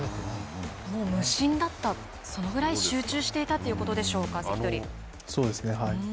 もう無心だった、そのくらい集中していたということでしょうか、そうですね。